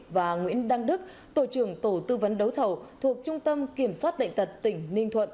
và nguyễn đăng đức tổ trưởng tổ tư vấn đấu thầu thuộc trung tâm kiểm soát bệnh tật tỉnh ninh thuận